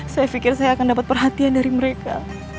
saya pikir saya akan dapat perhatian dari mereka